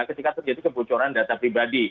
ketika terjadi kebocoran data pribadi